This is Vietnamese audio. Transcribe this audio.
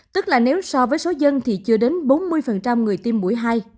tức là nếu so với số dân thì chưa đến bốn mươi người tiêm mũi hai